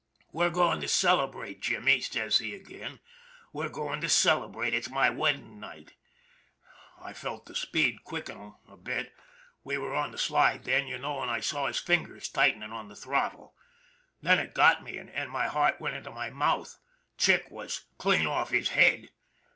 "' We're going to celebrate, Jimmy/ says he again. ' We're going to celebrate. It's my wedding night/ "I felt the speed quicken a bit, we were on the Slide then, you know, and I saw his fingers tightening on the throttle. Then it got me, and my heart went into my mouth Chick was clean off his head.